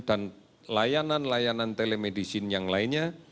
dan layanan layanan telemedicine yang lainnya